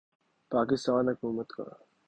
پاکستان حکومت کا